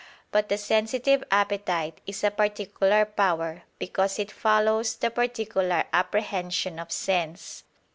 But the sensitive appetite is a particular power, because it follows the particular apprehension of sense.